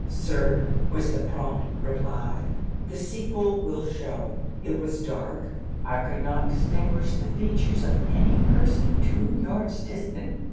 "Sir," was the prompt reply, "the sequel will show. It was dark; I could not distinguish the features of any person two yards distant.